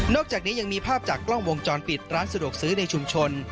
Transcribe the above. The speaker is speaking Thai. อกจากนี้ยังมีภาพจากกล้องวงจรปิดร้านสะดวกซื้อในชุมชน